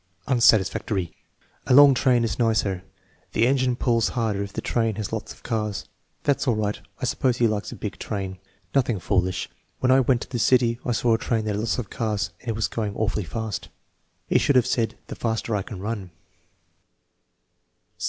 Unsatisfactory. "A long train is nicer." "The engine pulls harder if the train has lots of cars." "That's all right. I suppose he likes a big train." "Nothing foolish; when I went to the city I saw a train that had lots of cars and it was going awfully fast." "He should have said, *the faster I can run.